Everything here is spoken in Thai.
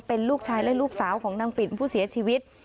เป็นลูกชายและลูกสาวของนางปิ่นผู้เสียชีวิต